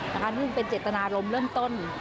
นั่นเป็นเจตนารมณ์เริ่มต้น